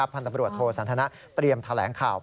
พันธบรวจโทสันทนะเตรียมแถลงข่าว